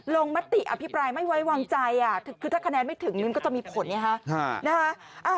ลงมติอภิปรายไม่ไวว่วางใจอ่ะคือถ้าคะแนนไม่ถึงนึงก็จะมีผลเนี่ยค่ะ